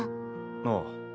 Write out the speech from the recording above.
ああ。